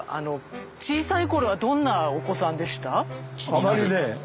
あまりね